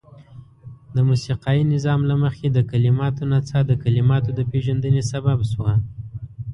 د موسيقايي نظام له مخې د کليماتو نڅاه د کليماتو د پيژندني سبب شوه.